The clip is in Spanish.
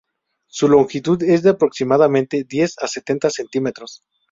Su longitud es de aproximadamente diez a setenta centímetros.